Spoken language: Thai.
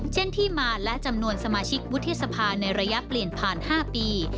เช่นที่มาและจำนวนสมาชิกวุฒิสภาในระยะเปลี่ยนผ่าน๕ปี